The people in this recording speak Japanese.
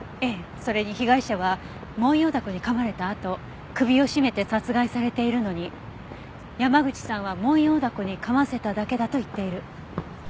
それに被害者はモンヨウダコに噛まれたあと首を絞めて殺害されているのに山口さんはモンヨウダコに噛ませただけだと言っている。